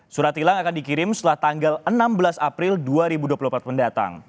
surat tilang akan dikirim setelah tanggal enam belas april dua ribu dua puluh empat mendatang